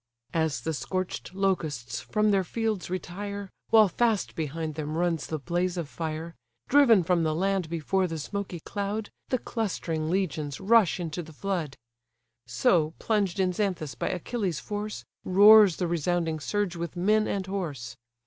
As the scorch'd locusts from their fields retire, While fast behind them runs the blaze of fire; Driven from the land before the smoky cloud, The clustering legions rush into the flood: So, plunged in Xanthus by Achilles' force, Roars the resounding surge with men and horse.